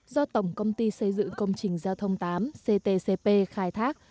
do tổng công ty xây dựng công trình giao thông tám ctcp khai thác